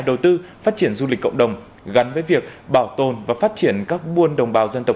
đầu tư phát triển du lịch cộng đồng gắn với việc bảo tồn và phát triển các buôn đồng bào dân tộc